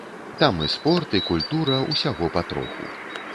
Там і спорт, і культура, усяго патроху.